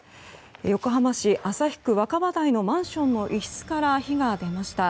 横浜市旭区若葉台のマンションの一室から火が出ました。